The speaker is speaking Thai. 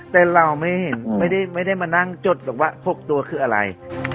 แต่เราไม่เห็นอืมไม่ได้ไม่ได้มานั่งจดแบบว่าหกตัวคืออะไร